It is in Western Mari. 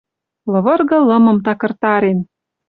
Лывыргы лымым такыртарен